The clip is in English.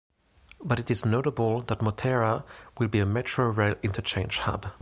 But it is notable that Motera will be a metro rail interchange hub.